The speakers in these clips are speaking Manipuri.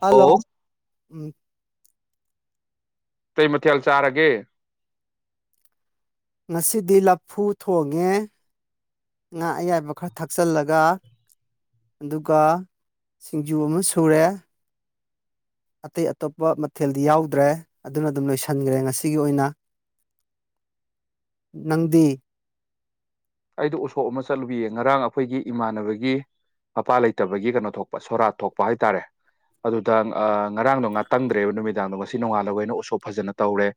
ꯍꯜꯂꯣ ꯑꯣ ꯎꯝ ꯀꯩ ꯃꯊꯦꯜ ꯆꯥꯔꯒꯦ ꯉꯁꯤꯗꯤ ꯂꯐꯨ ꯊꯣꯡꯉꯦ ꯉꯥ ꯑꯌꯥꯏꯕ ꯈꯔ ꯊꯥꯛꯆꯜꯂꯒ ꯑꯗꯨꯒ ꯁꯤꯡꯖꯨ ꯑꯃ ꯁꯨꯔꯦ ꯑꯇꯩ ꯑꯇꯣꯞꯄ ꯃꯊꯦꯜꯗꯤ ꯌꯥꯎꯗ꯭ꯔꯦ ꯑꯗꯨꯅ ꯗꯨꯝ ꯂꯣꯏꯁꯟꯒꯔꯦ ꯉꯁꯤꯒꯤ ꯑꯣꯏꯅ ꯅꯪꯗꯤ ꯑꯩꯗꯣ ꯎꯁꯣꯞ ꯑꯃ ꯆꯠꯂꯨꯒꯤꯌꯦ ꯉꯔꯥꯡ ꯑꯈꯣꯏꯒꯤ ꯏꯃꯥꯟꯅꯕꯒꯤ ꯃꯄꯥ ꯂꯩꯇꯕꯒꯤ ꯀꯩꯅꯣ ꯊꯣꯛꯄ ꯁꯣꯔꯥꯠ ꯊꯣꯛꯄ ꯍꯥꯏꯇꯥꯔꯦ ꯑꯗꯨꯗ ꯑꯥ ꯉꯔꯥꯡꯗꯣ ꯉꯥꯥꯇꯪꯗ꯭ꯔꯦꯕ ꯅꯨꯃꯤꯗꯥꯡꯗꯣ ꯉꯁꯤ ꯅꯣꯉꯥꯜꯂꯒ ꯑꯣꯏꯅ ꯎꯁꯣꯞ ꯐꯖꯅ ꯇꯧꯔꯦ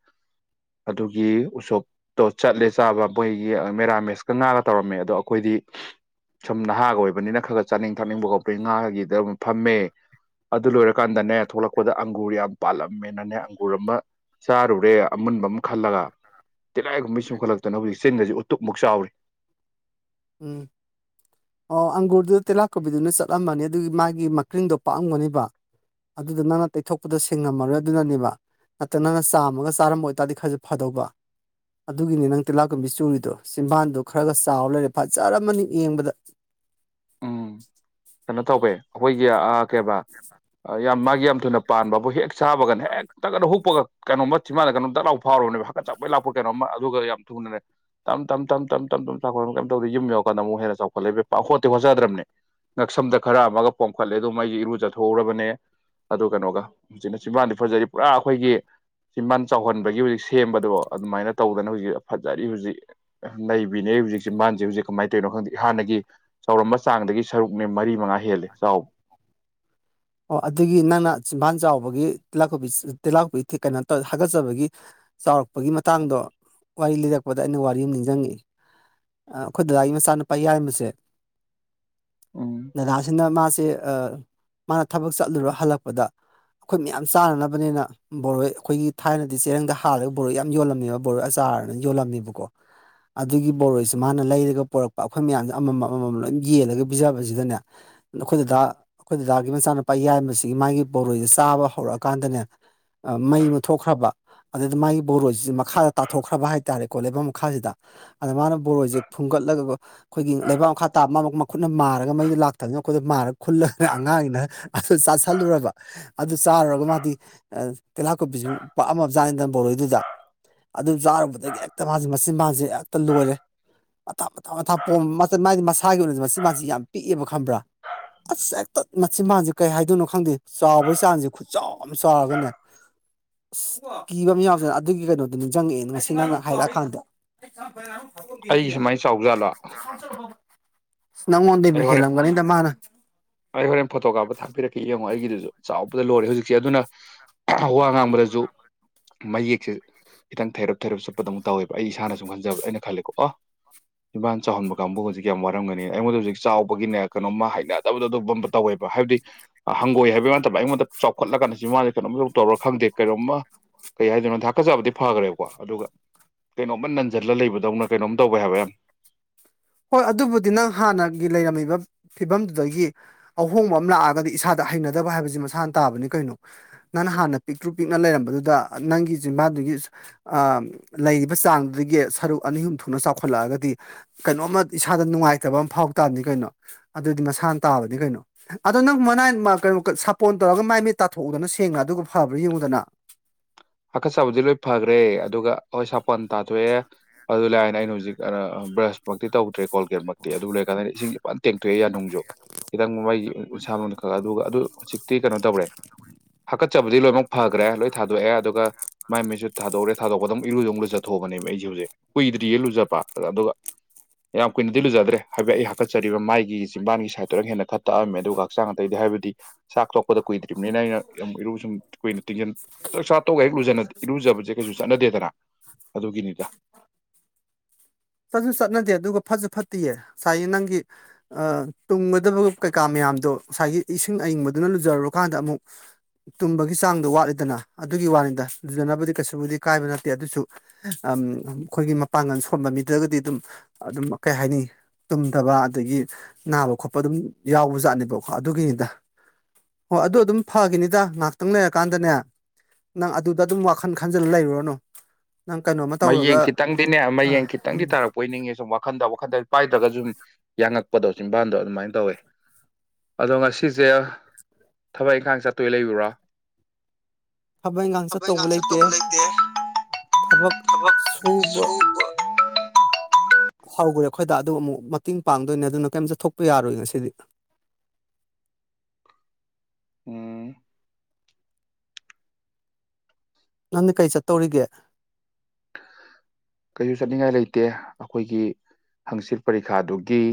ꯑꯗꯨꯒꯤ ꯎꯁꯣꯞꯇꯣ ꯆꯠꯂꯦ ꯆꯥꯕ ꯕꯣꯏꯒꯤ ꯑꯥ ꯃꯦꯔꯥꯃꯦꯁ ꯀ ꯉꯥꯒ ꯇꯧꯔꯝꯃꯦ ꯑꯗꯣ ꯑꯈꯣꯏꯗꯤ ꯁꯨꯝ ꯅꯍꯥꯒ ꯑꯣꯏꯕꯅꯤꯅ ꯈꯒ ꯆꯥꯅꯤꯡ ꯊꯛꯅꯤꯡꯕ [unintelligible] ꯉꯥꯒꯒꯤꯗꯝ ꯑꯃꯨꯛ ꯐꯝꯃꯦ ꯑꯗꯨ ꯂꯣꯏꯔꯀꯥꯟꯗꯅꯦ ꯊꯣꯛꯂꯛꯄꯗ ꯑꯪꯒꯨꯔ ꯌꯥꯝ ꯄꯥꯜꯂꯝꯃꯦꯅꯅꯦ ꯑꯪꯒꯨꯔ ꯑꯃ ꯆꯥꯔꯨꯔꯦ ꯑꯃꯨꯟꯕꯝ ꯈꯜꯂꯒ ꯇꯤꯂꯥꯏꯒꯨꯝꯕꯤ ꯆꯨꯈꯠꯂꯛꯇꯅ ꯍꯨꯖꯤꯛ ꯆꯤꯟꯒꯖꯤ ꯎꯇꯞꯃꯨꯛ ꯆꯥꯎꯔꯤ ꯎꯝ ꯑꯣ ꯑꯪꯒꯨꯔꯗꯨ ꯇꯤꯂꯥꯀꯨꯝꯕꯤꯗꯨꯅ ꯆꯠꯂꯝꯃꯅꯤ ꯑꯗꯨꯒꯤ ꯃꯥꯒꯤ ꯃꯀ꯭ꯔꯤꯡꯗꯣ ꯄꯥꯑꯝꯒꯅꯤꯕ ꯑꯗꯨꯗ ꯅꯪꯅ ꯇꯩꯊꯣꯛꯄꯗꯣ ꯁꯦꯡꯉꯝꯃꯔꯣꯏ ꯑꯗꯨꯅꯅꯦꯕ ꯅꯠꯇꯦ ꯅꯪꯅ ꯆꯥꯝꯃꯒ ꯆꯥꯔꯝꯕ ꯑꯣꯏꯇꯥꯗꯤ ꯈꯖꯨ ꯐꯗꯧꯕ ꯑꯗꯨꯒꯤꯅꯤ ꯅꯪ ꯇꯤꯜꯂꯥꯀꯨꯝꯕꯤ ꯆꯨꯔꯤꯗꯣ ꯆꯤꯝꯕꯥꯟꯗꯣ ꯈꯔꯒ ꯆꯥꯎ ꯂꯩꯔꯦ ꯐꯖꯔꯝꯃꯅꯤ ꯌꯦꯡꯕꯗ ꯎꯝ ꯀꯩꯅꯣ ꯇꯧꯕꯋꯦ ꯑꯈꯣꯏꯒꯤ ꯑꯥ ꯀꯦꯕ ꯑꯥ ꯌꯥꯝ ꯃꯥꯒꯤ ꯌꯥꯝ ꯊꯨꯅ ꯄꯥꯟꯕꯕꯨ ꯍꯦꯛ ꯆꯥꯕꯒꯅ ꯍꯦꯛ ꯇꯛꯑꯅ ꯍꯨꯛꯄꯒ ꯀꯩꯅꯣꯃ ꯆꯤꯃꯥꯟꯅ ꯀꯩꯅꯣꯝ ꯇꯛꯂꯥꯎ ꯐꯥꯎꯔꯕꯅꯦꯕ ꯍꯥꯀꯠ ꯆꯥꯄꯣꯏ ꯂꯥꯛꯄꯣꯏ ꯀꯩꯅꯣꯝꯃ ꯑꯗꯨꯒ ꯌꯥꯝ ꯊꯨꯅꯅꯦ ꯇꯝ ꯇꯝ ꯇꯝ ꯇꯝ ꯇꯝ ꯇꯝ ꯆꯥꯎꯈꯠꯄ ꯀꯩꯝ ꯇꯧꯗꯦ ꯌꯨꯝ ꯌꯧꯔꯀꯥꯟꯗ ꯃꯨꯛ ꯍꯦꯟꯅ ꯆꯥꯎꯈꯠꯂꯏꯕ ꯄꯥ ꯍꯣꯠꯇꯤ ꯍꯣꯆꯗꯔꯝꯅꯦ ꯉꯛꯁꯝꯗ ꯈꯔ ꯑꯃꯒ ꯄꯣꯝꯈꯠꯂꯦ ꯑꯗꯨꯝ ꯑꯩꯖꯦ ꯏꯔꯨ ꯖꯊꯣꯎꯔꯕꯅꯦ ꯑꯗꯨ ꯀꯅꯣꯒ ꯍꯧꯖꯤꯛꯅ ꯆꯤꯝꯕꯥꯥꯟꯗꯤ ꯐꯖꯔꯤꯞ ꯄꯨꯔꯥ ꯑꯈꯣꯏꯒꯤ ꯆꯤꯝꯕꯥꯟ ꯆꯥꯎꯍꯟꯕꯒꯤ ꯍꯨꯖꯤꯛ ꯁꯦꯝꯕꯗꯣ ꯑꯗꯨꯃꯥꯏꯅ ꯇꯧꯗꯅ ꯍꯧꯖꯤꯛ ꯐꯠ ꯥꯖꯔꯤ ꯍꯨꯖꯤꯛ ꯅꯩꯕꯤꯅꯦ ꯑꯩ ꯍꯨꯖꯤꯛ ꯆꯤꯝꯕꯥꯟꯖꯦ ꯍꯨꯖꯤꯛ ꯀꯃꯥꯏ ꯇꯩꯅꯣ ꯈꯪꯗꯦ ꯍꯥꯟꯅꯒꯤ ꯆꯥꯎꯔꯝꯕ ꯆꯥꯡꯗꯒꯤ ꯁꯔꯨꯛꯅꯦ ꯃꯔꯤ ꯃꯉꯥ ꯍꯦꯜꯂꯦ ꯆꯥꯎꯕ ꯑꯣ ꯑꯗꯨꯒꯤ ꯅꯪꯅ ꯆꯤꯝꯕꯥꯥꯟ ꯆꯥꯎꯕꯒꯤ ꯇꯤꯂꯥꯀꯨꯝꯕꯤ ꯇꯤꯜꯂꯥꯀꯨꯝꯕꯤ ꯊꯤ ꯀꯩꯅꯣ ꯇꯧ ꯍꯥꯒꯠꯆꯕꯒꯤ ꯆꯥꯎꯔꯛꯄꯒꯤ ꯃꯇꯥꯡꯗꯣ ꯋꯥꯔꯤ ꯂꯤꯔꯛꯄꯗ ꯑꯩꯅ ꯋꯥꯔꯤ ꯑꯝ ꯅꯤꯡꯖꯪꯉꯤꯏ ꯑꯩ ꯑꯈꯣꯏ ꯗꯗꯥꯒꯤ ꯃꯆꯥꯅꯨꯄꯥ ꯌꯥꯏꯃꯁꯦ ꯎꯝ ꯗꯗꯥꯁꯤꯅ ꯃꯥꯁꯦ ꯑꯥ ꯃꯥꯅ ꯊꯕꯛ ꯆꯠꯂꯨꯔ ꯍꯜꯂꯛꯄꯗ ꯑꯩꯈꯣꯏ ꯃꯌꯥꯝ ꯆꯥꯅꯅꯕꯅꯤꯅ ꯕꯣꯔꯣꯏ ꯑꯩꯈꯣꯏꯒꯤ ꯊꯥꯏꯅꯗꯤ ꯆꯦꯔꯪꯗ ꯍꯥꯜꯂꯒ ꯕꯣꯔꯣꯏ ꯌꯥꯝ ꯌꯣꯜꯂꯝꯃꯦꯕ ꯕꯣꯔꯣꯏ ꯑꯆꯥꯔꯅ ꯌꯣꯜꯂꯝꯃꯦꯕꯀꯣ ꯑꯗꯨꯒꯤ ꯕꯣꯔꯣꯏꯁꯦ ꯃꯥꯅ ꯂꯩꯔꯒ ꯄꯣꯔꯛꯄ ꯑꯩꯈꯣꯏ ꯃꯌꯥꯝꯁꯦ ꯑꯃꯃꯝ ꯑꯃꯃꯝ ꯂꯣꯏ ꯌꯦꯜꯂꯒ ꯄꯤꯖꯕꯁꯤꯗꯅꯦ ꯅꯈꯣꯏ ꯗꯗꯥ ꯑꯩꯈꯣꯏ ꯗꯗꯥꯒꯤ ꯃꯆꯥꯅꯨꯄꯥ ꯌꯥꯏꯃꯁꯤꯒꯤ ꯃꯥꯒꯤ ꯕꯣꯔꯣꯏꯁꯤ ꯆꯥꯕ ꯍꯧꯔꯛꯑꯀꯥꯟꯗꯅꯦ ꯃꯩ ꯃꯨꯊꯣꯛꯈ꯭ꯔꯕ ꯑꯗꯨꯗ ꯃꯥꯒꯤ ꯕꯣꯔꯣꯁꯤ ꯃꯈꯥꯗ ꯇꯥꯊꯣꯛꯈ꯭ꯔꯕ ꯍꯥꯏꯇꯥꯔꯦꯀꯣ ꯂꯩꯕꯥꯛ ꯃꯈꯥꯁꯤꯗ ꯑꯗ ꯃꯥꯅ ꯕꯣꯔꯣꯏꯁꯦ ꯈꯨꯟꯒꯠꯂꯒ ꯑꯩꯈꯣꯏꯒꯤ ꯂꯩꯕꯥꯛ ꯃꯈꯥ ꯇꯥꯕ ꯑꯃ ꯃꯈꯨꯠꯅ ꯃꯥꯔꯒ ꯃꯩꯗ ꯂꯥꯛꯇꯅꯤꯅ ꯑꯩꯈꯣꯏꯗꯣ ꯃꯥꯔ ꯈꯨꯜꯂꯒ ꯑꯉꯥꯡꯅ ꯑꯗꯨ ꯆꯥꯥꯁꯜꯂꯨꯔꯕ ꯑꯗꯨ ꯆꯥꯔꯨꯔꯒ ꯃꯥꯗꯤ ꯇꯤꯍꯥꯀꯣꯄꯤꯁꯨ ꯄꯛꯑꯝꯕꯖꯥꯠꯅꯤꯗ ꯕꯣꯔꯣꯏꯗꯨꯗ ꯑꯗꯨ ꯆꯥꯔꯨꯕꯗꯒꯤ ꯍꯦꯛꯇ ꯃꯥꯁꯦ ꯃꯆꯤꯟ ꯕꯥꯜꯁꯦ ꯍꯦꯛꯇ ꯂꯣꯏꯔꯦ ꯃꯊ ꯃꯊꯥ ꯃꯊ ꯄꯣꯝꯕ ꯃꯥꯗꯤ ꯃꯁꯥꯒꯤ ꯑꯣꯏꯅꯗꯤ ꯃꯆꯤꯟꯕꯜꯁꯦ ꯌꯥꯝ ꯄꯤꯛꯑꯦꯕ ꯈꯪꯕ꯭ꯔꯥ ꯑꯁ ꯍꯦꯛꯇ ꯃꯆꯤꯟ ꯕꯥꯟꯁꯦ ꯀꯩ ꯍꯥꯏꯗꯣꯏꯅꯣ ꯈꯪꯗꯦ ꯆꯥꯎꯕꯒꯤ ꯆꯥꯡꯁꯤꯦ ꯈꯨꯠ ꯆꯥꯎ ꯌꯥꯝ ꯆꯥꯎꯔꯥꯒꯅꯦ ꯑꯁ ꯀꯤꯕꯝ‌ꯑꯃ‌ ꯌꯥꯎꯖꯥꯠꯅꯦ ꯑꯗꯨꯒꯤ ꯀꯩꯅꯣꯗꯨ ꯅꯤꯡꯁꯤꯡꯪꯉꯛꯑꯦ ꯉꯁꯤ ꯅꯪꯅ ꯍꯥꯏꯔꯛꯑꯀꯥꯟꯗ [unintelligible] ꯑꯩꯒꯤ ꯁꯨꯃꯥꯏꯅ ꯆꯥꯎꯖꯥꯠꯂꯣ ꯅꯪꯉꯣꯟꯗꯩꯕꯨ ꯑꯩ ꯍꯣꯔꯦꯟ ꯍꯦꯜꯂꯝꯒꯅꯤꯗ ꯃꯥꯅ ꯑꯩ ꯍꯣꯔꯦꯟ ꯐꯣꯇꯣ ꯀꯥꯞꯄ ꯊꯄꯤꯔꯛꯦ ꯌꯦꯡꯉꯣ ꯑꯩꯒꯤꯗꯨꯁꯨ ꯆꯥꯎꯕꯗ ꯂꯣꯏꯔꯦ ꯍꯧꯖꯤꯛꯁꯦ ꯑꯗꯨꯅ ꯋꯥ ꯉꯥꯡꯕꯗꯁꯨ ꯃꯌꯦꯛꯁꯦ ꯈꯤꯇꯪ ꯊꯩꯔꯞ ꯊꯩꯔꯞ ꯆꯠꯄꯗꯗꯧꯅ ꯇꯧꯋꯦꯕ ꯑꯩ ꯏꯁꯥꯅ ꯁꯨꯝ ꯈꯟꯖꯕ ꯑꯩꯅ ꯈꯜꯂꯦꯀꯣ ꯑꯣ ꯆꯤꯝꯕꯥꯜ ꯆꯥꯎꯍꯟꯕ ꯀꯥꯡꯕꯨ ꯍꯧꯖꯤꯛ ꯌꯥꯝ ꯋꯥꯔꯝꯒꯅꯤ ꯑꯩꯉꯣꯟꯗ ꯍꯧꯖꯤꯛ ꯆꯥꯎꯕꯒꯤꯅꯦ ꯀꯩꯅꯣꯝꯃ ꯍꯥꯏꯅꯦ ꯇꯕꯨꯗ ꯑꯗꯨ ꯇꯧꯋꯦꯕ ꯍꯥꯏꯕꯗꯤ ꯍꯪꯒꯣꯏ ꯍꯥꯏꯕꯩ ꯋꯥ ꯅꯠꯇꯕ ꯑꯩꯉꯣꯟꯗ ꯆꯥꯎꯈꯠꯂꯀ ꯀꯥꯟꯗ ꯆꯤꯟꯕꯥꯟꯁꯦ‌‌ ꯀꯩꯅꯣꯝꯇꯧ ꯇꯧꯔ ꯈꯪꯗꯦ ꯀꯩꯅꯣꯝꯃꯥ‌ ꯀꯩ ꯍꯥꯏꯗꯣꯏꯅꯣ ꯊꯥꯛꯀꯠꯆꯕꯗꯤ ꯐꯥꯒꯔꯦꯀꯣ ꯑꯗꯨꯒ ꯀꯩꯅꯣꯝꯃ ꯅꯟꯖꯜꯂ ꯂꯩꯕꯗꯧꯅ ꯀꯩꯅꯣꯝ ꯇꯧꯋꯦ ꯍꯥꯏꯕ ꯌꯥꯝ ꯍꯣꯏ ꯑꯗꯨꯕꯨꯗꯤ ꯅꯪ ꯍꯥꯟꯅꯒꯤ ꯂꯩꯔꯝꯃꯤꯕ ꯐꯤꯕꯝꯗꯨꯗꯒꯤ ꯑꯍꯣꯡꯕ ꯑꯃ ꯂꯥꯛꯑꯒꯗꯤ ꯏꯁꯥꯗ ꯍꯩꯅꯗꯕ ꯍꯥꯏꯕꯁꯤ ꯃꯁꯥꯅ ꯇꯥꯕꯅꯤ ꯀꯩꯅꯣ ꯅꯪꯅ ꯍꯥꯟꯅ ꯄꯤꯛꯇ꯭ꯔꯨ ꯄꯤꯛꯅ ꯂꯩꯔꯝꯕꯗꯨꯗ ꯅꯪꯒꯤ‌ ꯆꯤꯟꯕꯥꯟꯗꯨꯒꯤ ꯂꯩꯔꯤꯕ ꯆꯥꯡꯗꯨꯗꯒꯤ ꯁꯔꯨꯛ ꯑꯅꯤ ꯑꯍꯨꯝ ꯊꯣꯛꯅ ꯆꯥꯎꯈꯠꯂꯛꯑꯒꯗꯤ ꯀꯩꯅꯣꯝꯃ ꯏꯁꯥꯗ ꯅꯨꯡꯉꯥꯏꯇꯕ ꯑꯃ ꯐꯥꯎ ꯇꯥꯕꯅꯤ ꯀꯩꯅꯣ ꯑꯗꯨꯏꯗꯤ ꯃꯁꯥꯅ ꯇꯥꯕꯅꯤ ꯀꯩꯅꯣ ꯑꯗꯣ ꯅꯪ ꯃꯅꯥꯏ ꯀꯩꯅꯣ ꯁꯥꯄꯣꯟ ꯇꯧꯔꯒ ꯃꯥꯏ ꯃꯤ ꯇꯥꯊꯣꯛꯎꯗꯅ ꯁꯦꯡꯉ ꯑꯗꯨꯒ ꯐꯕ꯭ꯔꯥ ꯌꯦꯡꯉꯨꯗꯅ ꯍꯥꯥꯀꯠꯆꯕꯗꯤ ꯂꯣꯏ ꯐꯈ꯭ꯔꯦ ꯑꯗꯨꯒ ꯍꯣꯏ ꯁꯥꯄꯣꯟꯅ ꯇꯥꯊꯣꯛꯑꯦ ꯑꯗꯨ ꯂꯥꯏꯅ ꯑꯩꯅ ꯍꯧꯖꯤꯛ ꯕ꯭ꯔꯁꯃꯛꯇꯤ ꯇꯧꯗ꯭ꯔꯦ ꯀꯣꯜꯀꯦꯠꯃꯛꯇꯤ ꯑꯗꯨ ꯂꯣꯏꯔꯀꯥꯟꯗ ꯑꯩꯅ ꯏꯁꯤꯡ ꯐꯖꯟꯅ‌ ꯇꯦꯡꯊꯣꯛꯑꯦ ꯌꯥꯅꯨꯡꯁꯨ ꯈꯤꯇꯪ ꯃꯥꯏ ꯏꯁꯟꯥ ꯃꯅꯨꯡꯗ ꯑꯗꯨꯒ ꯑꯗꯨ ꯍꯧꯖꯤꯛꯇꯤ ꯀꯩꯅꯣ ꯇꯧꯔꯦ ꯍꯥꯀꯠꯆꯕꯗꯤ ꯂꯣꯏꯅꯃꯛ ꯐꯈ꯭ꯔꯦ ꯂꯣꯏ ꯊꯥꯗꯣꯛꯑꯦ ꯑꯗꯨ ꯃꯥꯏ ꯃꯤꯠꯁꯨ ꯊꯥꯗꯣꯛꯎꯔꯦ ꯊꯥꯗꯣꯛꯄꯗ ꯑꯗꯨꯝ ꯏꯔꯨꯖꯨ‌ ꯂꯨꯖꯊꯣꯛꯑꯕꯅꯦꯕ ꯑꯩꯁꯦ ꯍꯧꯖꯤꯛ ꯀꯨꯏꯗ꯭ꯔꯤꯌꯦ ꯂꯨꯖꯕ ꯑꯗꯨꯒ ꯌꯥꯝ ꯀꯨꯏꯅꯗꯤ ꯂꯨꯖꯗ꯭ꯔꯦ ꯍꯥꯏ ꯐꯦꯠ ꯑꯩ ꯍꯥꯀꯠꯆꯔꯤꯕ ꯃꯥꯏꯒꯤ ꯆꯖꯤꯝꯕꯥꯟꯒꯤ ꯁꯥꯏꯠꯇꯔꯛ ꯍꯦꯟꯅ ꯈꯔ ꯇꯛꯑꯝꯃꯦ ꯑꯗꯨꯒ ꯍꯛꯆꯥꯡꯗ ꯇꯩꯗꯤ ꯍꯥꯏꯕꯗꯤ ꯆꯥꯛ ꯊꯣꯛꯄꯗ ꯀꯨꯏꯗ꯭ꯔꯤꯕꯅꯤꯅ ꯑꯩꯅ ꯌꯥꯝ ꯏꯔꯨ ꯁꯨꯝ ꯀꯨꯏꯅ ꯇꯤꯡꯖꯟ ꯊꯣꯛ ꯍꯦꯛ‌ ꯂꯨ ꯏꯔꯨꯖꯕꯁꯦ ꯀꯩꯁꯨ ꯆꯠꯅꯗꯦꯗꯅ ꯑꯗꯨꯒꯤꯅꯤꯗ ꯆꯠꯁꯨ ꯆꯠꯅꯗꯦ ꯑꯗꯨꯒ ꯐꯁꯨ ꯐꯠꯇꯦꯌꯦ ꯉꯁꯥꯏꯒꯤ ꯅꯪꯒꯤ ꯇꯨꯝꯒꯗꯕ ꯀꯩꯀꯥ ꯃꯌꯥꯝꯗꯣ ꯉꯁꯥꯏꯒꯤ ꯏꯁꯤꯡ ꯑꯏꯪꯕꯗꯨꯅ ꯂꯨꯖꯔꯨꯔꯀꯥꯟꯗ ꯑꯃꯨꯛ ꯇꯨꯝꯕꯒꯤ ꯆꯥꯡꯗ ꯋꯥꯠꯂꯤꯗꯅ ꯑꯗꯨꯒꯤ ꯋꯥꯅꯤꯗ ꯂꯨꯖꯅꯕꯗꯤ ꯀꯩꯁꯨꯕꯨꯗꯤ ꯀꯥꯏꯕ ꯅꯠꯇꯦ ꯑꯗꯨꯁꯨ ꯑꯝ ꯑꯩꯈꯣꯏꯒꯤ ꯃꯄꯥꯡꯒꯜ ꯁꯣꯟꯕ ꯃꯤꯗꯒꯗꯤ ꯑꯗꯨꯝ ꯑꯗꯨꯝ ꯀꯩ ꯍꯥꯏꯅꯤ ꯇꯨꯝꯗꯕ ꯑꯗꯒꯤ ꯅꯥꯕ ꯈꯣꯠꯄ ꯑꯗꯨꯝ ꯌꯥꯎꯕ ꯖꯥꯠꯅꯦꯕꯀꯣ ꯑꯗꯨꯒꯤꯅꯤꯗ ꯑꯣ ꯑꯗꯨ ꯑꯗꯨꯝ ꯐꯒꯤꯅꯤꯗ ꯉꯥꯏꯍꯥꯛꯇꯪ ꯂꯩꯔꯀꯥꯟꯗꯅꯦ ꯅꯪ ꯑꯗꯨꯗ ꯑꯗꯨꯝ ꯋꯥꯈꯜ ꯈꯟꯖꯜꯂ ꯂꯩꯔꯨꯔꯅꯨ ꯅꯪ ꯀꯩꯅꯣꯃ ꯇꯧꯔꯒ ꯑꯥ ꯎꯝ ꯄꯣꯏꯅꯤꯡꯉꯦ ꯁꯨꯝ ꯋꯥꯈꯟꯗ ꯋꯥꯈꯟꯗ ꯄꯥꯏꯗ꯭ꯔꯒꯁꯨ ꯌꯥꯡꯉꯛꯄꯗꯣ ꯆꯤꯝꯕꯥꯟꯗ ꯑꯗꯨꯃꯥꯏꯅ ꯇꯧꯋꯦ ꯑꯗꯣ ꯉꯁꯤꯁꯦ ꯊꯕꯛ ꯏꯪꯈꯥꯡ ꯆꯠꯇꯣꯏ ꯂꯩꯕ꯭ꯔ‌ꯣ ꯏꯪꯈꯥꯡ ꯊꯕꯛ ꯆꯠꯇꯧꯕ ꯏꯟꯈꯥꯡ ꯆꯠ ꯂꯩꯇꯦ ꯇꯧꯕ ꯂꯩꯇ‌ꯦ ꯊꯕꯛ ꯁꯨꯕ ꯍꯧꯈ꯭ꯔꯦ ꯑꯩꯈꯣꯏꯗ ꯗꯥꯗꯨ ꯑꯃꯨꯛ ꯃꯇꯦꯡ ꯄꯥꯡꯗꯣꯏꯅꯦ ꯑꯗꯨꯅ ꯀꯩꯝ ꯆꯠꯊꯣꯛꯄ ꯌꯥꯔꯣꯏ ꯉꯁꯤꯗꯤ ꯑꯣ ꯅꯪꯗꯤ ꯀꯩ ꯆꯠꯇꯧꯔꯤꯒꯦ ꯀꯩꯁꯨ ꯆꯠꯅꯤꯡꯉꯥꯏ ꯂꯩꯇꯦ ꯑꯩꯈꯣꯏꯒꯤ ꯍꯪꯆꯤꯠ ꯄꯔꯤꯈꯥꯗꯨꯒꯤ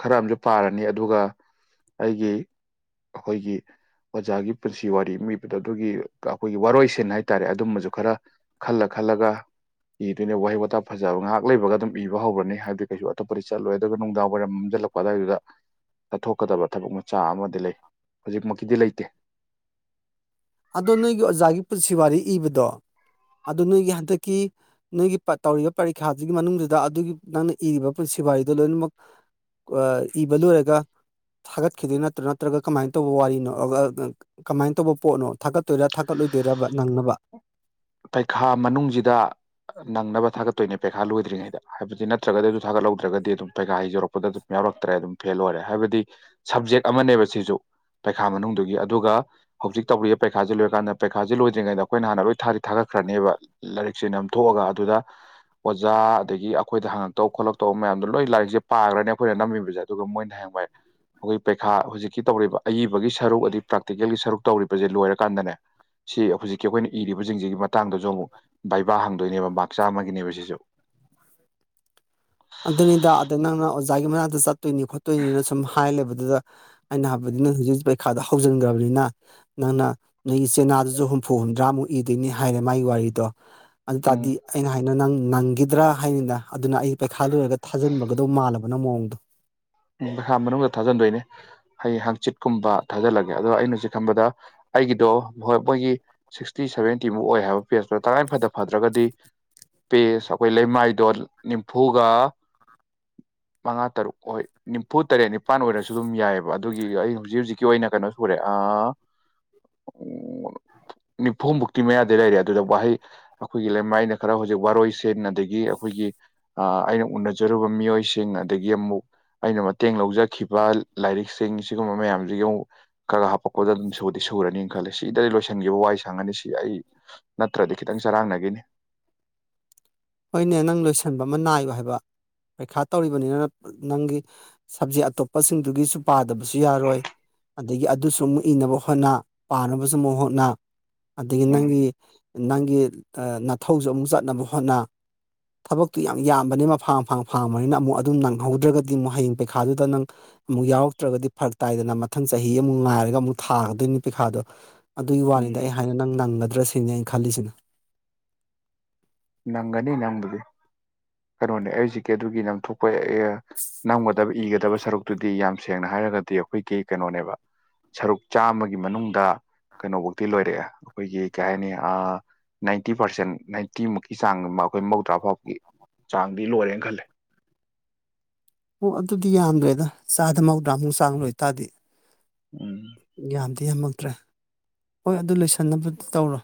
ꯈꯔ ꯑꯝꯁꯨ ꯄꯥꯔꯅꯤ ꯑꯗꯨꯒ ꯑꯩꯒꯤ ꯑꯈꯣꯏꯒꯤ ꯑꯣꯖꯥꯒꯤ ꯄꯨꯟꯁꯤ ꯋꯥꯔꯤ ꯃꯤꯕꯗꯣ ꯑꯗꯨꯒꯤ ꯑꯩꯈꯣꯏꯒꯤ ꯋꯥꯔꯣꯏꯁꯤꯟ ꯍꯥꯏꯇꯥꯔꯦ ꯑꯗꯨꯝꯕꯁꯨ ꯈꯔ ꯈꯜꯂ ꯈꯜꯂꯒ ꯏꯗꯣꯏꯅꯦ ꯋꯥꯍꯩ ꯋꯥꯇꯥ ꯐꯖꯕ ꯉꯥꯏꯍꯥꯛ ꯂꯩꯕꯒ ꯑꯗꯨꯝ ꯏꯕ ꯍꯧꯒ꯭ꯔꯅꯤ ꯍꯥꯏꯗꯤ ꯀꯩꯁꯨ ꯑꯇꯣꯞꯄꯗꯤ ꯆꯠꯂꯣꯏ ꯑꯗꯨꯒ ꯅꯨꯡꯗꯥꯡ ꯋꯥꯏꯔꯝ ꯑꯗꯥꯏꯗꯨꯗ ꯆꯠꯊꯣꯛꯀꯗꯕ ꯊꯕꯛ ꯃꯆꯥ ꯑꯃꯗꯤ ꯂꯩ ꯍꯧꯖꯤꯛꯃꯛꯀꯤꯗꯤ ꯂꯩꯇꯦ ꯑꯗꯣ ꯅꯣꯏꯒꯤ ꯑꯣꯖꯥꯒꯤ ꯄꯨꯟꯁꯤ ꯋꯥꯔꯤ ꯏꯕꯗꯣ ꯑꯗꯨ ꯅꯣꯏꯒꯤ ꯍꯟꯗꯛꯀꯤ ꯅꯣꯏꯒꯤ ꯇꯧꯔꯤꯕ ꯄꯔꯤꯈ꯭ꯌꯥꯗꯨꯒꯤ ꯃꯅꯨꯡꯗꯨꯗ ꯑꯗꯨꯒꯤ ꯅꯪꯅ ꯏꯔꯤꯕ ꯄꯨꯟꯁꯤꯋꯥꯔꯤꯗꯨ ꯂꯣꯏꯅꯃꯛ ꯑ ꯏꯕ ꯂ‌ꯣꯔꯒ ꯊꯥꯒꯠꯈꯤꯗꯣꯏ ꯅꯠꯇ꯭ꯔ‌ꯣ ꯅꯠꯇ꯭ꯔꯒ ꯀꯃꯥꯏꯅ ꯇꯧꯕ ꯋꯥꯔꯤꯅꯣ ꯀꯃꯥꯏꯅ ꯇꯧꯕ ꯄꯣꯠꯅꯣ ꯊꯥꯒꯠꯇꯣꯏꯔꯥ ꯊꯥꯒꯠꯂꯣꯏꯗꯣꯏꯔꯕ ꯅꯪꯅꯕ ꯄꯩꯈꯥ ꯃꯅꯨꯡꯁꯤꯗ ꯅꯪꯅꯕ ꯊꯥꯒꯠꯇꯣꯏꯅꯦ ꯄꯩꯈꯥ ꯂꯣꯏꯗ꯭ꯔꯤꯉꯩꯗ ꯍꯥꯏꯕꯗꯤ ꯅꯠꯇ꯭ꯔꯒꯗꯤ ꯑꯗꯨ ꯊꯥꯒꯠꯍꯧꯗ꯭ꯔꯒꯗꯤ ꯑꯗꯨꯝ ꯄꯩꯈꯥ ꯍ ꯌꯧꯔꯛꯄꯗ ꯑꯗꯨꯝ ꯌꯥꯎꯔꯛꯇ꯭ꯔꯦ ꯑꯗꯨꯝ ꯐꯦꯜ ꯑꯣꯏꯔꯦ ꯍꯥꯏꯕꯗꯤ ꯁꯕꯖꯦꯛ ꯑꯃꯅꯦꯕ ꯁꯤꯁꯨ ꯄꯩꯈꯥ ꯃꯅꯨꯡꯗꯨꯒꯤ ꯑꯗꯨꯒ ꯍꯧꯖꯤꯛ ꯇꯧꯔꯤꯕ ꯄꯩꯈꯥꯁꯤ ꯂꯣꯏꯀꯥꯟꯗ ꯄꯩꯈꯥꯁꯦ ꯂꯣꯏꯗ꯭ꯔꯤꯉꯩꯗ ꯑꯩꯈꯣꯏꯅꯥ ꯍꯥꯟꯅ ꯂꯣꯏ ꯊꯥꯔꯤ ꯊꯥꯒꯠꯈ꯭ꯔꯅꯦꯕ ꯂꯥꯏꯔꯤꯛꯁꯦ ꯅꯝꯊꯣꯛꯑꯒ ꯑꯗꯨꯗ ꯑꯣꯖꯥ ꯑꯗꯒꯤ ꯑꯩꯈꯣꯏꯗ ꯍꯪꯉꯛꯇꯧ ꯈꯣꯠꯂꯛꯇꯧꯕ ꯃꯌꯥꯝꯗꯣ ꯂꯣꯏ ꯂꯥꯏꯔꯤꯛꯁꯦ ꯄꯥꯒ꯭ꯔꯅꯦ ꯑꯩꯈꯣꯏꯅ ꯅꯝꯃꯤꯕꯖ‌ꯦ ꯑꯗꯨꯒ ꯃꯣꯏꯅ ꯍꯌꯦꯡꯋꯥꯏ ꯑꯩꯈꯣꯏꯒꯤ ꯄꯩꯈꯥ ꯍꯧꯖꯤꯛꯀꯤ ꯇꯧꯔꯤꯕ ꯑꯏꯕꯒꯤ ꯁꯔꯨꯛ ꯑꯩ ꯄ꯭ꯔꯥꯛꯇꯤꯀꯦꯜꯒꯤ ꯁꯔꯨꯛ ꯇꯧꯔꯤꯕꯁꯦ ꯂꯣꯏꯔꯀꯥꯟꯗꯅꯦ ꯁꯤ ꯍꯧꯖꯤꯛꯀꯤ ꯑꯩꯈꯣꯏꯅ ꯏꯔꯤꯕꯁꯤꯡꯁꯤꯒꯤ ꯃꯇꯥꯡꯗꯁꯨ ꯑꯃꯨꯛ ꯕꯥꯏꯕꯥ ꯍꯪꯗꯣꯏꯅꯦꯕ ꯃꯥꯛ ꯆꯥꯝꯃꯒꯤꯅꯦꯕ ꯁꯤꯁꯨ ꯑꯗꯨꯅꯤꯗ ꯑꯗ ꯅꯪꯅ ꯑꯣꯖꯥꯒꯤ ꯃꯅꯥꯛꯇ ꯆꯠꯇꯣꯏꯅꯤ ꯈꯣꯠꯇꯣꯏꯅꯤꯅ ꯁꯨꯝ ꯍꯥꯏ ꯂꯩꯕꯗꯨꯗ ꯑꯩꯅ ꯍꯩꯕꯗꯤ ꯅ‌ꯣꯏ ꯍꯧꯖꯤꯛ ꯍꯧꯖꯤꯛ ꯄꯩꯈꯥꯗꯨ ꯍꯧꯖꯤꯟꯒ꯭ꯔꯕꯅꯤꯅ ꯅꯪꯅ ꯅꯣꯏꯒꯤ ꯆꯦꯅꯥꯗꯨꯁꯨ ꯍꯨꯝꯐꯨ ꯍꯨꯝꯗ꯭ꯔꯥꯃꯨꯛ ꯏꯗꯣꯏꯅꯤ ꯍꯥꯏꯔ‌ꯦ ꯃꯥꯒꯤ ꯋꯥꯔꯤꯗꯣ ꯑꯗꯨ ꯎꯝ ꯇꯔꯗꯤ ꯑꯩꯅ ꯍꯥꯏꯅ ꯅꯪ ꯅꯪꯒꯤꯗ꯭ꯔꯥ ꯍꯥꯏꯅꯤꯅ ꯑꯗꯨꯅ ꯑꯩ ꯄꯩꯈꯥ ꯂꯣꯏꯔꯒ ꯊꯥꯖꯤꯟꯕꯒꯗꯧ ꯃꯥꯜꯂꯕ ꯅꯪ ꯃꯑꯣꯡꯗꯣ ꯎꯝ ꯄꯩꯈꯥ ꯃꯅꯨꯡꯗ ꯊꯥꯖꯟꯗꯣꯏꯅꯦ ꯍꯌ‌ꯦꯡ ꯍꯪꯡꯆꯤꯠꯀꯨꯝꯕ ꯊꯥꯖꯤꯜꯂꯒꯦ ꯑꯗꯣ ꯑꯩꯅ ꯍꯧꯖꯤꯛ ꯈꯟꯕꯗ ꯑꯩꯒꯤꯗꯣ ꯍꯣꯏ ꯃꯣꯏꯒꯤ ꯁꯤꯛꯁꯇꯤ ꯁꯚꯦꯟꯇꯤꯃꯨꯛ ꯑꯣꯏ ꯍꯥꯏꯕ ꯄꯦꯖꯇ‌ꯣ ꯇꯉꯥꯏ ꯐꯗ ꯐꯗ꯭ꯔꯒꯗꯤ ꯄꯦꯖ ꯑꯩꯈꯣꯏ ꯂꯩꯃꯥꯏꯗꯣ ꯅꯤꯝꯐꯨꯒ ꯃꯉꯥ ꯇꯔꯨꯛ ꯑꯣꯏ ꯅꯤꯝꯐꯨ ꯇꯔꯦꯠ ꯅꯤꯄꯥꯟ ꯑꯣꯏꯔꯁꯨ ꯑꯗꯨꯝ ꯌꯥꯏꯑ‌ꯦꯕ ꯑꯗꯨꯒꯤ ꯑꯩ ꯍꯧꯖꯤꯛ ꯍꯧꯖꯤꯛꯀꯤ ꯑꯣꯏꯅ ꯀꯩꯅꯣ ꯁꯨꯔ‌ꯦ ꯑꯥ ꯅꯤꯐꯨꯃꯨꯛꯇꯤ ꯃꯌꯥꯗꯤ ꯂꯩꯔꯦ ꯑꯗꯨꯗ ꯋꯥꯍꯩ ꯑꯩꯈꯣꯏꯒꯤ ꯂꯩꯃꯥꯏꯅ ꯈꯔ ꯍꯧꯖꯤꯛ ꯋꯥꯔꯣꯏꯁꯤꯟ ꯑꯗꯒꯤ ꯑꯩꯈꯣꯏꯒꯤ ꯑꯩꯅ ꯎꯅꯖꯔꯨꯕ ꯃꯤꯑꯣꯏꯁꯤꯡ ꯑꯗꯒꯤ ꯑꯃꯨꯛ ꯑꯩꯅ ꯃꯇꯦꯡ ꯂꯧꯖꯈꯤꯕ ꯂꯥꯏꯔꯤꯛꯁꯤꯡ ꯁꯤꯒꯨꯝꯕ ꯃꯌꯥꯝꯁꯤꯒꯤ ꯑꯃꯨꯛ ꯈꯔ ꯍꯥꯞꯄꯛꯄꯗ ꯑꯗꯨꯝ ꯁꯨꯗꯤ ꯁꯨꯔꯅꯤ ꯈꯜꯂꯦ ꯁꯤꯗꯩ ꯂꯣꯏꯁꯤꯟꯈꯤꯕ ꯋꯥꯏ ꯁꯪꯉꯅꯤ ꯁꯤ ꯑꯩ ꯅꯠꯇ꯭ꯔꯗꯤ ꯈꯤꯇꯪ ꯆꯔꯥꯡꯅꯈꯤꯅꯤ ꯍꯣꯏꯅꯦ ꯅꯪ ꯂꯣꯏꯁꯟꯕ ꯑꯃ ꯅꯥꯏꯌꯨ ꯍꯥꯏꯕ ꯄꯩꯈꯥ ꯇꯧꯔꯤꯕꯅꯤꯅ ꯅꯪꯒꯤ ꯁꯞꯖꯦꯛ ꯑꯇꯣꯞꯄꯁꯤꯡꯗꯨꯒꯤꯁꯨ ꯄꯥꯗꯕꯁꯨ ꯌꯥꯔꯣꯏ ꯑꯗꯥꯒꯤ ꯑꯗꯨꯁꯨ ꯑꯃꯨꯛ ꯏꯅꯕ ꯍꯣꯠꯅ ꯄꯥꯅꯕꯁꯨ ꯑꯃꯨꯛ ꯍꯣꯠꯅ ꯑꯗꯥꯒꯤ ꯎꯝ ꯅꯪꯒꯤ ꯅꯪꯒꯤ ꯅꯥꯊꯧꯁꯨ ꯑꯃꯨꯛ ꯆꯠꯅꯕ ꯍꯣꯠꯅ ꯊꯥꯕꯛꯇꯨ ꯌꯥꯝ ꯌꯥꯝꯕꯅꯤꯅ ꯃꯐꯥꯡ ꯃꯐꯥꯡ ꯐꯥꯡꯕꯅꯤꯅ ꯑꯃꯨꯛ ꯑꯗꯨꯝ ꯅꯪꯍꯧꯗ꯭ꯔꯒꯗꯤ ꯑꯃꯨꯛ ꯍꯌꯦꯡ ꯄꯩꯈꯥꯗꯨꯗ ꯅꯪ ꯑꯃꯨꯛ ꯌꯥꯎꯔꯛꯇ꯭ꯔꯒꯗꯤ ꯐꯥꯔꯛ ꯇꯥꯏꯗꯅ ꯃꯊꯪ ꯆꯍꯤ ꯑꯃꯨꯛ ꯉꯥꯏꯔꯒ ꯑꯃꯨꯛ ꯊꯥꯒꯗꯣꯏꯅꯤ ꯄꯩꯈꯥꯗꯣ ꯑꯗꯨꯒꯤ ꯎꯝ ꯋꯥꯅꯤꯗ ꯑꯩ ꯍꯥꯏꯅ ꯅꯪ ꯅꯪꯒꯗ꯭ꯔꯁꯤꯅꯤ ꯑꯩꯅ ꯈꯜꯂꯤꯁꯤꯅ ꯅꯪꯒꯅꯤ ꯅꯪꯕꯨꯗꯤ ꯀꯩꯅꯣꯅꯦ ꯑꯩ ꯍꯧꯖꯤꯛꯀꯤ ꯑꯗꯨꯒꯤꯗꯪ ꯊꯣꯛ ꯄꯣꯏꯔꯛꯑꯦ ꯅꯝꯒꯗꯕ ꯏꯒꯗꯕ ꯁꯔꯨꯛꯇꯨꯗꯤ ꯌꯥꯝ ꯁꯦꯡꯅ ꯍꯥꯏꯔꯒꯗꯤ ꯑꯩꯈꯣꯏꯒꯤ ꯀꯩꯅꯣꯅꯦꯕ ꯁꯔꯨꯛ ꯆꯥꯝꯃꯒꯤ ꯃꯅꯨꯡꯗ ꯀꯩꯅꯣ ꯐꯧꯗꯤ ꯂꯣꯏꯔꯛꯑꯦ ꯑꯩꯈꯣꯏꯒꯤ ꯀꯩ ꯍꯥꯏꯅꯤ ꯑꯥ ꯅꯥꯏꯟꯇꯤ ꯄꯥꯔꯁꯦꯟ ꯅꯥꯏꯟꯇꯤ ꯃꯨꯛ ꯆꯥꯡ ꯑꯃ ꯑꯩꯈꯣꯏ ꯃꯧꯗ꯭ꯔꯥ ꯐꯥꯎꯕꯒꯤ ꯆꯥꯡꯗꯤ ꯂꯣꯏꯔꯦ ꯈꯜꯂꯤ ꯑꯣ ꯑꯗꯨꯗꯤ ꯌꯥꯝꯗ꯭ꯔꯦꯗ ꯆꯥꯗ ꯃꯧꯗ꯭ꯔꯥꯃꯨꯛ ꯆꯥꯡ ꯂꯣꯏꯇꯥꯔꯗꯤ ꯎꯝ ꯌꯥꯝꯗꯦ ꯌꯥꯝꯃꯛꯇ꯭ꯔꯦ ꯍꯣꯏ ꯑꯗꯨ ꯂꯣꯏꯁꯟꯅꯕꯗꯤ ꯇꯧꯔꯣ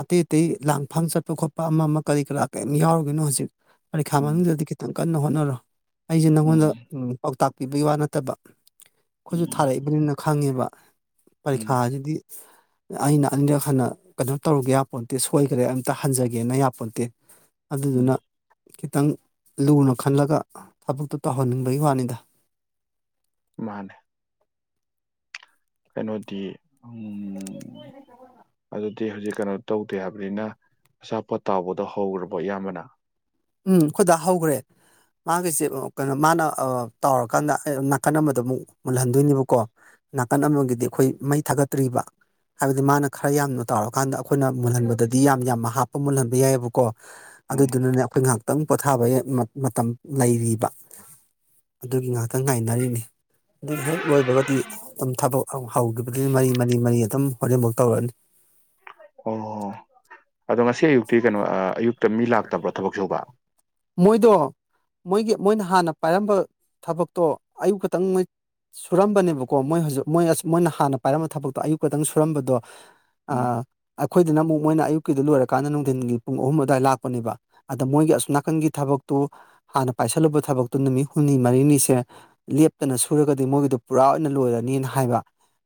ꯑꯇꯩ ꯑꯇꯩ ꯂꯥꯡꯐꯥꯡ ꯞꯆꯠꯄ ꯈꯣꯠꯄ ꯑꯃ ꯑꯃ ꯀꯔꯤ ꯀꯔꯥ ꯀꯔꯤꯝ ꯌꯥꯎꯔꯨꯒꯤꯅꯨ ꯍꯧꯖꯤꯛ ꯄꯔꯤꯈꯥ ꯎꯝ ꯃꯅꯨꯡꯗꯗꯤ ꯈꯤꯇꯪ ꯀꯟꯅ ꯍꯣꯠꯅꯔꯣ ꯑꯩꯁꯦ ꯅꯪꯉꯣꯟꯗ ꯎꯝ ꯄꯥꯎꯇꯥꯛ ꯄꯤꯕꯒꯤ ꯋꯥ ꯅꯠꯇꯕ ꯑꯩꯈꯣꯏꯁꯨ ꯎꯝ ꯊꯥꯔꯛꯏꯕꯅꯤꯅ ꯈꯪꯉꯦꯕ ꯎꯝ ꯄꯔꯤꯈꯥꯁꯤꯗꯤ ꯑꯩꯅ ꯑꯅꯤꯔꯛ ꯍꯟꯅ ꯑꯗꯨꯝ ꯇꯧꯔꯒꯦ ꯌꯥꯄꯣꯟꯇꯦ ꯁꯣꯏꯈ꯭ꯔꯦ ꯑꯝꯇ ꯍꯟꯖꯒꯦꯅ ꯌꯥ ꯄꯣꯟꯇꯦ ꯎꯝ ꯑꯗꯨꯗꯨꯅ ꯈꯤꯇꯪ ꯂꯨꯅ ꯈꯜꯂꯒ ꯊꯥꯕꯛꯇꯣ ꯇꯧ ꯍꯟꯅꯤꯡꯕꯒꯤ ꯋꯥꯅꯤꯗ ꯃꯥꯅꯦ ꯀꯩꯅꯣꯗꯤ ꯑꯝ ꯑꯗꯨ ꯗꯤ ꯍꯧꯖꯤꯛ ꯀꯩꯅꯣ ꯇꯧꯗꯦ ꯍꯥꯏꯕꯅꯤꯅ ꯑꯆꯥꯄꯣꯠ ꯇꯥꯎꯕꯗꯣ ꯍꯧꯈ꯭ꯔꯕꯣ ꯏꯌꯥꯝꯕꯅ ꯎꯝ ꯑꯈꯣꯏ ꯗꯥ ꯍꯧꯒ꯭ꯔꯦ ꯃꯥꯒꯤꯁꯦ ꯀꯩꯅꯣ ꯃꯥꯅ ꯇꯥꯎꯔꯀꯥꯟꯗ ꯅꯥꯀꯟ ꯑꯃꯗꯣ ꯑꯃꯨꯛ ꯃꯨꯜꯍꯟꯗꯣꯏꯅꯦꯕ ꯀꯣ ꯅꯥꯀꯟ ꯑꯃꯒꯤꯗꯤ ꯑꯩꯈꯣꯏ ꯃꯩ ꯊꯥꯒꯠꯇ꯭ꯔꯤꯕ ꯍꯥꯏꯕꯗꯤ ꯃꯥꯅ ꯈꯔ ꯌꯥꯝꯅ ꯇꯧꯔꯀꯥꯟꯗ ꯑꯩꯈꯣꯏꯅ ꯃꯨꯜꯍꯟꯕꯗꯗꯤ ꯌꯥꯝ ꯌꯥꯝꯅ ꯍꯥꯞꯄ ꯃꯨꯜꯍꯟꯕ ꯌꯥꯏꯌꯦꯕ ꯀꯣ ꯎꯝ ꯑꯗꯨꯗꯨꯅꯅꯦ ꯑꯩꯈꯣꯏ ꯉꯥꯏꯍꯥꯛꯇꯪ ꯄꯣꯊꯥꯕ ꯃꯇꯝ ꯂꯩꯔꯤꯕ ꯑꯗꯨꯒꯤ ꯉꯥꯛꯇꯪ ꯉꯥꯏꯅꯔꯤꯅꯤ ꯑꯗꯨ ꯍꯦꯛ ꯂꯣꯏꯕꯒꯗꯤ ꯑꯗꯨꯝ ꯊꯥꯕꯛ ꯍꯧꯈꯤꯕꯗꯩ ꯃꯔꯤ ꯃꯔꯤ ꯃꯔꯤ ꯑꯗꯨꯝ ꯍꯣꯔꯦꯕꯥꯎ ꯇꯧꯔꯅꯤ ꯑꯣ ꯑꯗꯣ ꯉꯁꯤ ꯑꯌꯨꯛꯇꯤ ꯀꯩꯅꯣ ꯑꯌꯨꯛꯇ ꯃꯤ ꯂꯥꯛꯇꯕ꯭ꯔꯣ ꯊꯥꯕꯛ ꯁꯨꯕ ꯃꯣꯏꯗꯣ ꯃꯣꯏꯒꯤ ꯃꯣꯏꯅ ꯍꯥꯟꯅ ꯄꯥꯏꯔꯝꯕ ꯊꯥꯕꯛꯇꯣ ꯑꯌꯨꯛ ꯈꯛꯇꯪ ꯃꯣꯏ ꯁꯨꯔꯝꯕꯅꯦꯕ ꯀꯣ ꯃꯣꯏ ꯍꯧꯖꯤꯛ ꯃꯣꯏ ꯃꯣꯏꯅ ꯍꯥꯟꯅ ꯄꯥꯏꯔꯝꯕ ꯊꯥꯕꯛꯇꯣ ꯑꯌꯨꯛ ꯈꯛꯇꯪ ꯁꯨꯔꯝꯕꯗꯣ ꯎꯝ ꯑꯥ ꯑꯩꯈꯣꯏꯗꯅ ꯑꯃꯨꯛ ꯃꯣꯏꯅ ꯑꯌꯨꯛꯀꯤꯗꯨ ꯂꯣꯏꯔꯀꯥꯟꯗ ꯅꯨꯡꯊꯤꯟꯒꯤ ꯄꯨꯡ ꯑꯍꯨꯝ ꯑꯗꯨꯋꯥꯏ ꯂꯥꯛꯄ ꯄꯅꯦꯕ ꯑꯗꯥ ꯃꯣꯏꯒꯤ ꯑꯁꯣꯝ ꯅꯥꯀꯟꯒꯤ ꯊꯥꯕꯛꯇꯨ ꯍꯥꯟꯅ ꯄꯥꯏꯁꯜꯂꯨꯕ ꯊꯥꯕꯛꯇꯨ ꯅꯨꯃꯤꯠ ꯍꯨꯝꯅꯤ ꯃꯔꯤꯅꯤꯁꯦ ꯂꯦꯞꯇꯅ ꯁꯨꯔꯒꯗꯤ ꯃꯣꯏꯒꯤꯗꯨ ꯄꯨꯔꯥ ꯑꯣꯏꯅ ꯂꯣꯏꯔꯅꯤꯅ ꯍꯥꯏꯕ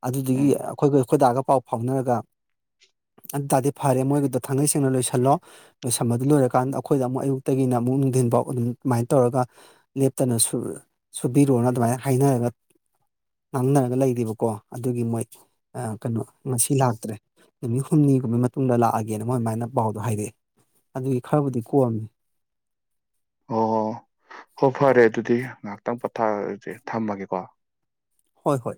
ꯑꯗꯨꯗꯒꯤ ꯎꯝ ꯑꯩꯈꯣꯏꯒ ꯑꯩꯈꯣꯏꯗꯥꯒ ꯄꯥꯎ ꯐꯥꯎꯅꯔꯒ ꯑꯗꯨꯇꯥꯗꯤ ꯐꯥꯔꯦ ꯃꯣꯏꯒꯤꯗꯣ ꯊꯥꯡꯒꯩ ꯁꯦꯡꯅ ꯂꯣꯏꯁꯤꯜꯂꯣ ꯂꯣꯏꯁꯜ ꯑꯗꯨ ꯂꯣꯏꯔꯀꯥꯟꯗ ꯑꯩꯈꯣꯏꯗ ꯑꯃꯨꯛ ꯑꯌꯨꯛꯇꯒꯤꯅ ꯑꯃꯨꯛ ꯅꯨꯡꯊꯤꯟꯐꯥꯎ ꯑꯗꯨꯝ ꯑꯗꯨꯃꯥꯏꯟ ꯇꯧꯔꯒ ꯂꯦꯞꯇꯅ ꯁꯨ ꯁꯨꯕꯤꯔꯣꯅ ꯑꯗꯨꯃꯥꯏꯟ ꯍꯥꯏꯅꯔꯒ ꯉꯥꯡꯅꯔꯒ ꯂꯩꯔꯤꯕꯀꯣ ꯑꯗꯨꯒꯤ ꯃꯣꯏ ꯀꯩꯅꯣ ꯉꯁꯤ ꯂꯥꯛꯇ꯭ꯔꯦ ꯅꯨꯃꯤꯠ ꯍꯨꯝꯅꯤꯒꯨꯝꯒꯤ ꯃꯇꯨꯡꯗ ꯂꯥꯛꯑꯒꯦꯅ ꯃꯣꯏ ꯑꯗꯨꯃꯥꯏꯅ ꯄꯥꯎꯗꯣ ꯍꯥꯏꯔꯛꯑꯦ ꯑꯗꯨꯒꯤ ꯈꯔꯕꯨꯗꯤ ꯀꯣꯝꯃꯤ ꯑꯣ ꯍꯣ ꯐꯔꯦ ꯑꯗꯨꯗꯤ ꯉꯥꯏꯍꯥꯛꯇꯪ ꯄꯣꯊꯥꯔꯁꯦ ꯊꯝꯃꯒꯦꯀꯣ ꯍꯣꯏ ꯍꯣꯏ